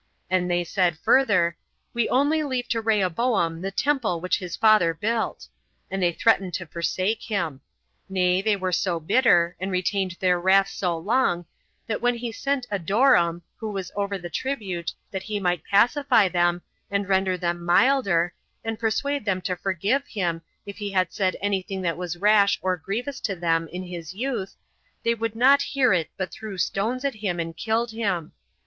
And they said further, "We only leave to Rehoboam the temple which his father built;" and they threatened to forsake him. Nay, they were so bitter, and retained their wrath so long, that when he sent Adoram, which was over the tribute, that he might pacify them, and render them milder, and persuade them to forgive him, if he had said any thing that was rash or grievous to them in his youth, they would not hear it, but threw stones at him, and killed him.